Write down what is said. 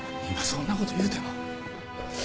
今そんなこと言うても。